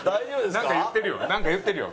なんか言ってるよ。